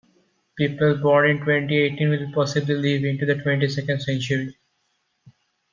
People born in twenty-eighteen will possibly live into the twenty-second century.